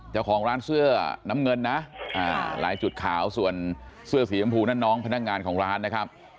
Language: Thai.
เจ้าของร้านเสื้อน้ำเงินนะหลายจุดขาวส่วนเสื้อสีชมพูนั่นน้องพนักงานของร้านนะครับ